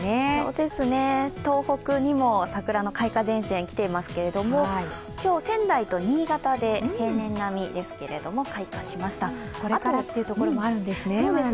東北にも桜の開花前線来ていますけれども、今日、仙台と新潟で平年並みですけれどもこれからというところもあるんですね。